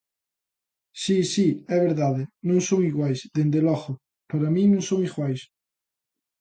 Si, si, é verdade, non son iguais; dende logo, para min non son iguais.